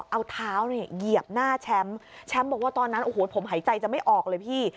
เอาเท้าเนี่ยเหยียบหน้าแชมป์แชมป์บอกว่าตอนนั้นโอ้โหผมหายใจจะไม่ออกเลยพี่